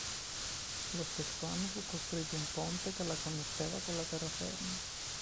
Lo stesso anno fu costruito un ponte, che la connetteva con la terraferma.